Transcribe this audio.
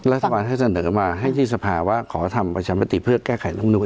รัฐบาลให้เสนอมาให้ที่สภาว่าขอทำประชามติเพื่อแก้ไขลำนูน